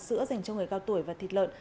sữa dành cho người cao tuổi và thịt lợn